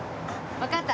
わかった。